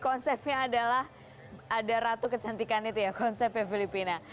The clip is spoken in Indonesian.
konsepnya adalah ada ratu kecantikan itu ya konsepnya filipina